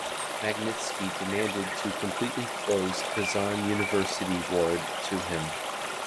Magnitsky demanded to completely close Kazan University ward to him.